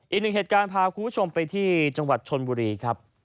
อีกหนึ่งเหตุการณ์พาคุณผู้ชมไปที่จังหวัดชนบุรีครับ